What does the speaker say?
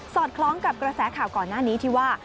คล้องกับกระแสข่าวก่อนหน้านี้ที่ว่า